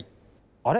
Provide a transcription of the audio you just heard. あれ？